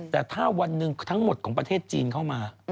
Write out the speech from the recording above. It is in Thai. แต่ถ้าวันหนึ่งทั้งหมดของประเทศจีนเข้ามา